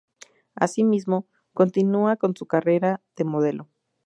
Asimismo, continúa con su carrera de modelo.